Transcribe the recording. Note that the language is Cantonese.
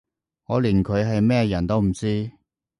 我連佢係咩人都唔知